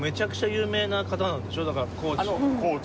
だから高知。